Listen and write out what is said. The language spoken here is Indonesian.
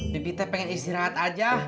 pipite pengen istirahat aja